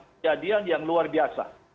kejadian yang luar biasa